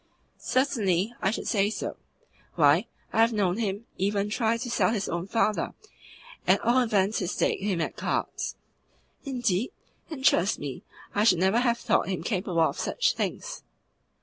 "CERTAINLY I should say so. Why, I have known him even try to sell his own father! At all events he staked him at cards." "Indeed? You interest me. I should never had thought him capable of such things."